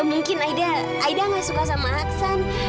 mungkin aida gak suka sama aksan